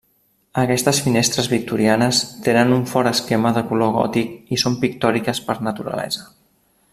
Aquestes finestres victorianes tenen un fort esquema de color gòtic i són pictòriques per naturalesa.